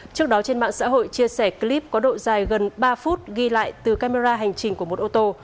trước đó trên mạng xã hội chia sẻ clip có độ dài gần ba phút ghi lại từ camera hành trình của một ô tô